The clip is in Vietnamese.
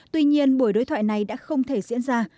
tuy nhiên buổi đối thoại này đã không thể diễn ra